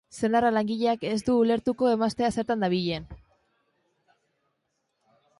Senarra langileak ez du ulertuko emaztea zertan dabilen.